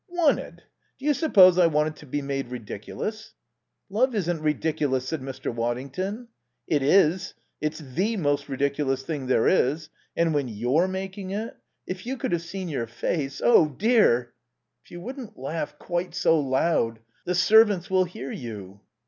"Wanted? Do you suppose I wanted to be made ridiculous?" "Love isn't ridiculous," said Mr. Waddington. "It is. It's the most ridiculous thing there is. And when you're making it.... If you could have seen your face Oh, dear!" "If you wouldn't laugh quite so loud. The servants will hear you."